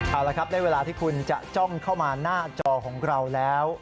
เอาละครับได้เวลาที่คุณจะจ้องเข้ามาหน้าจอของเราแล้ว